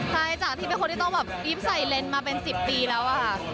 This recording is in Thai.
ใครจากที่เป็นคนที่ต้องยิบใส่เลนส์มาเป็น๑๐ปีแล้ว